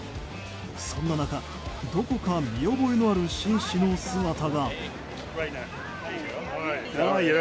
そんな中どこか見覚えのある紳士の姿が。